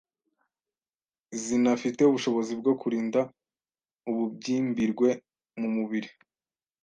zinafite ubushobozi bwo kurinda ububyimbirwe mu mubiri